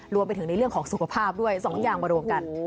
รวมไปถึงในเรื่องของสุขภาพด้วย๒อย่างมารวมกัน